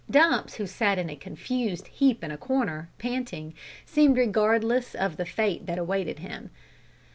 Dumps, who sat in a confused heap in a corner, panting, seemed regardless of the fate that awaited him.